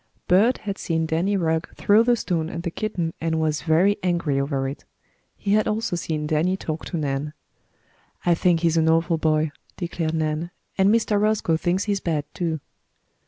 Bert had seen Danny Rugg throw the stone at the kitten and was very angry over it. He had also seen Danny talk to Nan. "I think he's an awful boy," declared Nan. "And Mr. Roscoe thinks he is bad, too."